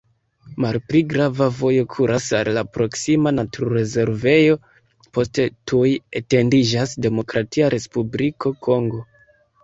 Malpli grava vojo kuras al la proksima naturrezervejo, poste tuj etendiĝas Demokratia Respubliko Kongo.